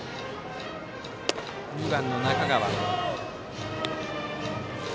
２番、中川。